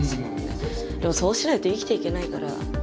でもそうしないと生きていけないから。